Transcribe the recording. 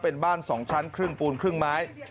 เป็นบ้าน๒ชั้นครึ่งปูนครึ่งไม้